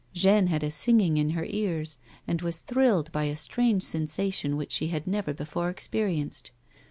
Jeanne had a singing in her ears, and was thrilled by a strange sensation which she had never before experienced.